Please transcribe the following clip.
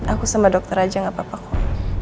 aku sama dokter aja gak papa kok